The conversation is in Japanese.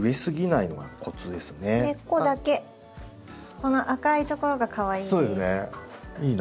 この赤いところがかわいいです。